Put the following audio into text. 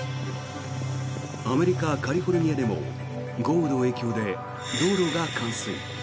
アメリカ・カリフォルニアでも豪雨の影響で道路が冠水。